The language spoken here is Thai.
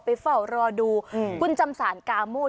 ไปเฝ้ารอดูอืมคุณจำศาลกามโคร